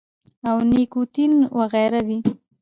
او نيکوټین وغېره وي -